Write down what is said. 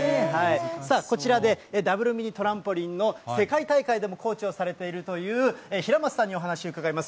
さあこちらでダブルミニトランポリンの世界大会でもコーチをされているという平松さんにお話伺います。